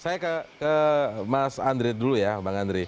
saya ke mas andri dulu ya